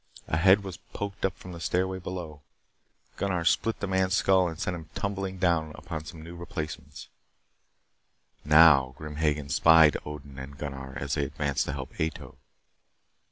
A head was poked up from the stairway below, Gunnar split the man's skull and sent him tumbling down upon some new replacements. Now Grim Hagen spied Odin and Gunnar as they advanced to help Ato.